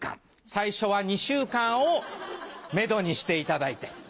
最初は２週間をめどにしていただいて。